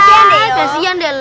kasian deh lo